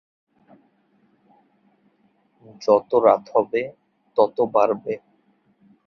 যত রাত হবে, তত বাড়বে।